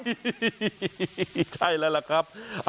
ไหมใช่แล้วละครับ